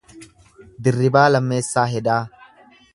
Dirribaa Lammeessaa Hedaa